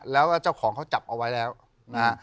แล้วเจ้าของเขาจับเอาไว้แล้วนะฮะ